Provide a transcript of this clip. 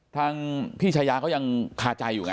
ทางพี่ชายาเขายังคาใจอยู่ไง